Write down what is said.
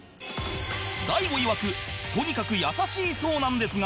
大悟いわくとにかく優しいそうなんですが